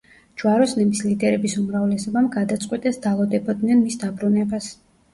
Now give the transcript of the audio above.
ჯვაროსნების ლიდერების უმრავლესობამ გადაწყვიტეს დალოდებოდნენ მის დაბრუნებას.